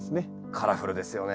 カラフルですよね。